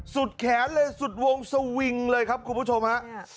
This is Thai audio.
สุดแขนไปชื่อสุดวงสวิงเลยครับคุณผู้ชมค่ะ